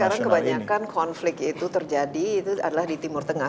sekarang kebanyakan konflik itu terjadi itu adalah di timur tengah